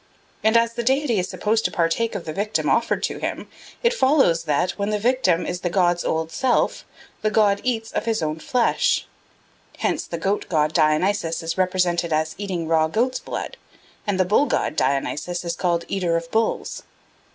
And as the deity is supposed to partake of the victim offered to him, it follows that, when the victim is the god's old self, the god eats of his own flesh. Hence the goat god Dionysus is represented as eating raw goat's blood; and the bull god Dionysus is called "eater of bulls."